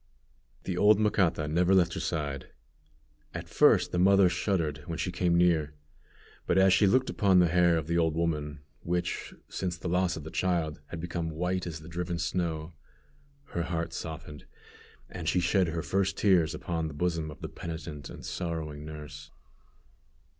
The old Macata never left her side. At first the mother shuddered when she came near; but as she looked upon the hair of the old woman, which, since the loss of the child, had become white as the driven snow, her heart softened, and she shed her first tears upon the bosom of the penitent and sorrowing nurse.